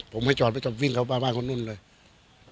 ผมไม่จอดไปจะวิ่งเข้าบ้านคนนุ่นเลย